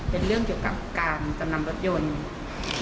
เป็นเรื่องเกี่ยวกับการจำนำรถยนต์